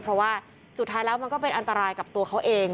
เพราะว่าสุดท้ายแล้วมันก็เป็นอันตรายกับตัวเขาเอง